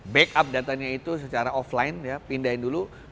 backup datanya itu secara offline ya pindahin dulu